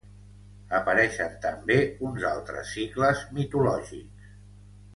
Apareixen també uns altres cicles mitològics.